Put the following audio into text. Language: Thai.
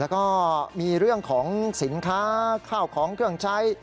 แล้วก็มีเรื่องของสินค้าข้าวของเครื่องใช้